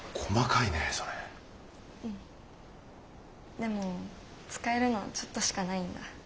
でも使えるのはちょっとしかないんだ。